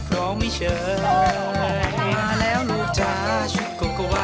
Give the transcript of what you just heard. เตรียมตัวครับ